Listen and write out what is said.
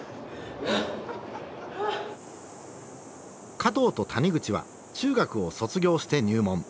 加藤と谷口は中学を卒業して入門。